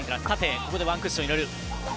ここでワンクッション入れる。